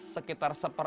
sekitar satu per empat kg